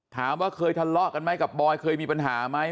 ถามว่าเคยทะเลาะกันไหมกับบอยเคยมีปัญหาไหม